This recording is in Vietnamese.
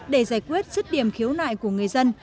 để giải quyết rứt điểm khiếu nại của người dân